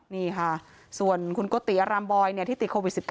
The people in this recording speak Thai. นี่ค่ะส่วนคุณโกติอารามบอยที่ติดโควิด๑๙